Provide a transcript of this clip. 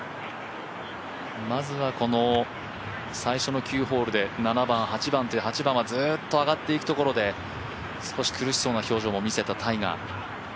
まずはこの最初の９ホールで、７番、８番と、８番はずっと上がっていくところで少し苦しそうな表情も見せたタイガー。